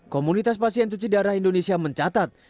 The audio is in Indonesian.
komunitas pasien cuci darah indonesia mencatat